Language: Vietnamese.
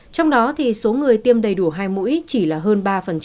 trong đó thì số người tiêm đầy đủ hai mũi chỉ là hơn ba